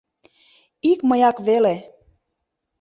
Ик мыяк веле.